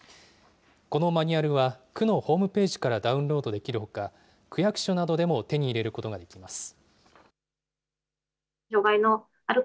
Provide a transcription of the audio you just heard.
このマニュアルは、区のホームページからダウンロードできるほか、区役所などでも手に入れることができます。